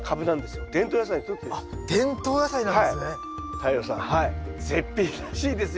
太陽さん絶品らしいですよ